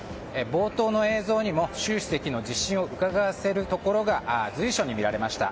冒頭の映像にも、習主席の自信をうかがわせるところが随所に見られました。